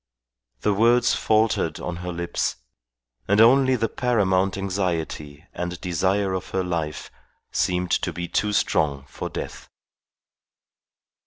The words faltered on her lips, and only the paramount anxiety and desire of her life seemed to be too strong for death.